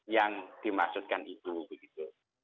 yang dimaksudkan itu begitu